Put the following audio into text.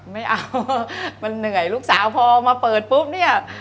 ไม่เอามันเหนื่อยลูกสาวพอมาเปิดปุ๊บเนี่ย